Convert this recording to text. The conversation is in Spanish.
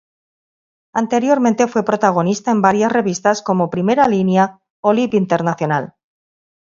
Anteriormente fue protagonista en varias revistas como "Primera Línea" o "Lib Internacional".